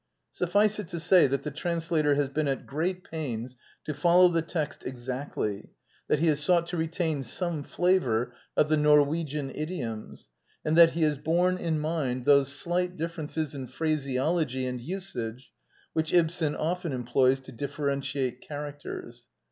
Suffice it to say that the translator has been at great pains to follow the text exactly ; that he has sought to retain some flavor of the Norwegian idioms, and that he has borne in xxiii Digitized by VjOOQIC TRANSLATOR'S NOTE ^^ mind those slight differences in phraseology and usage which Ibsen often employs to differentiate characters.